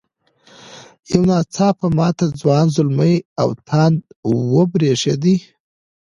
یو نا څاپه ماته ځوان زلمي او تاند وبرېښدې.